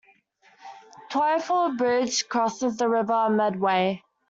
Twyford Bridge crosses the River Medway.